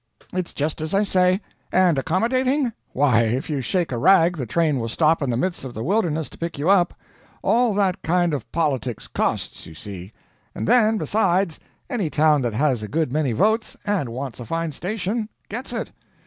It's just as I say. And accommodating? Why, if you shake a rag the train will stop in the midst of the wilderness to pick you up. All that kind of politics costs, you see. And then, besides, any town that has a good many votes and wants a fine station, gets it.